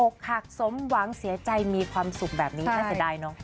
อกหักสมหวังเสียใจมีความสุขแบบนี้น่าเสียดายเนาะ